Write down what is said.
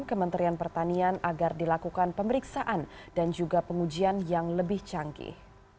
kementerian pertanian agar dilakukan pemeriksaan dan juga pengujian yang lebih canggih